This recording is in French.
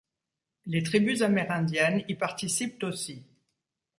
Les tribus amérindiennes y participent aussi.